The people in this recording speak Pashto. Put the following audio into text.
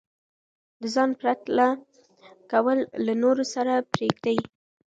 د ځان پرتله کول له نورو سره پریږدئ.